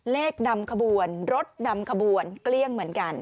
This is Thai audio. นำขบวนรถนำขบวนเกลี้ยงเหมือนกัน